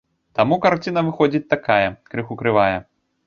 Таму карціна выходзіць такая, крыху крывая.